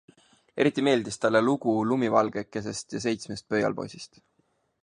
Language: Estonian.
Eriti meeldis talle lugu Lumivalgekesest ja seitsmest pöialpoisist.